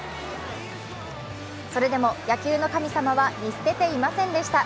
それでも野球の神様は見捨てていませんでした。